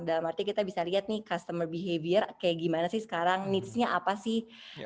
dalam arti kita bisa lihat nih customer behavior kayak gimana sih sekarang needsnya apa sih